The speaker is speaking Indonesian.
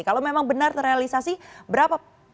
kalau memang benar terrealisasi berapa